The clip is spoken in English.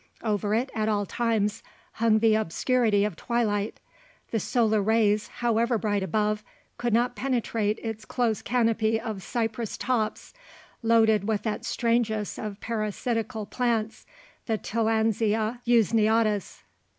Over it, at all times, hung the obscurity of twilight. The solar rays, however bright above, could not penetrate its close canopy of cypress tops, loaded with that strangest of parasitical plants the tillandsia usneoides.